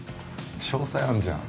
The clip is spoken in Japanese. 商才あんじゃん。